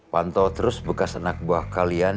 pantau terus bekas anak buah kalian